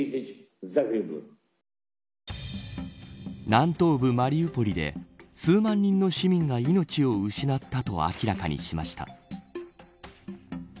南東部マリウポリで数万人の市民が命を失ったと明らかにしました。